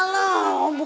namanya t transmission